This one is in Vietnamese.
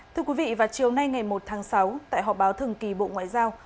thưa quý vị vào chiều nay ngày một tháng sáu tại họp báo thường kỳ bộ ngoại giao